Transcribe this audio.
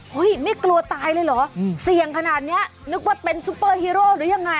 ไม่กลัวตายเลยเหรอเสี่ยงขนาดเนี้ยนึกว่าเป็นซุปเปอร์ฮีโร่หรือยังไง